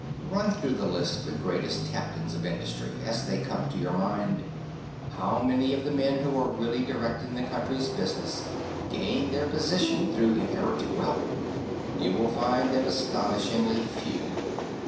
Run through the list of the greatest captains of industry, as they come to your mind. How many of the men who are really directing the country's business gained their position through inherited wealth? You will find them astonishingly few.